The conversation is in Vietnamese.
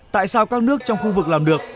tại sao các nước trong khu vực làm được